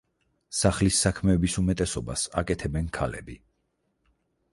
სახლის საქმეების უმეტესობას აკეთებენ ქალები.